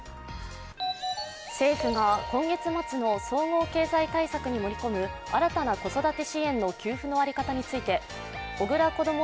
政府が今月末の総合経済対策に盛り込む新たな子育て支援の給付の在り方について、小倉こども